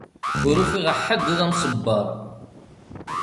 Ur ufiɣ ḥedd d amṣebber.